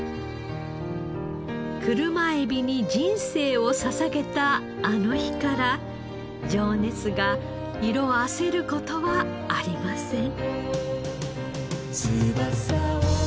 車エビに人生を捧げたあの日から情熱が色あせる事はありません。